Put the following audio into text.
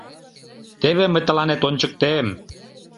Теве мый тыланет ончыктем!..